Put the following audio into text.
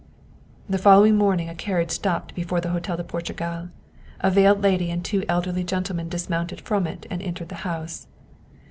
The following morning a carriage stopped before the Hotel de Portugal. A veiled lady and two elderly gentle men dismounted from it and entered the house.